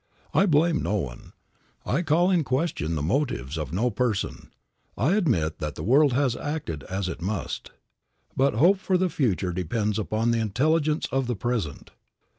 I blame no one; I call in question the motives of no person; I admit that the world has acted as it must. But hope for the future depends upon the intelligence of the present.